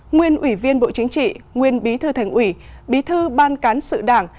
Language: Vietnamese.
nguyên ủy viên bộ chính trị nguyên bí thư thành ủy bí thư ban cán sự đảng